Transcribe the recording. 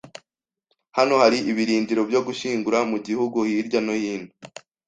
Hano hari ibirindiro byo gushyingura mu gihugu hirya no hino